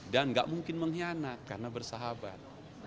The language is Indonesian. dan gak mungkin mengkhianat karena bersahabat